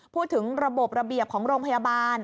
พูดถึงระบบระเบียบของโรงพยาบาล